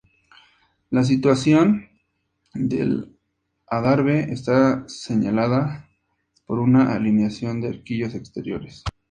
La situación del adarve está señalada por una alineación de arquillos exteriores.